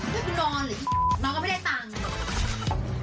เพราะกูนอนเหรอน้องก็ไม่ได้ตังค์